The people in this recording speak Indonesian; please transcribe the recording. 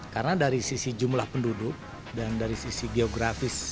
karena dari sisi jumlah penduduk dan dari sisi geografis